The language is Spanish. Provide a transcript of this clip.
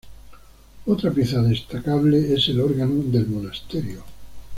Otra pieza destacable es el órgano del monasterio.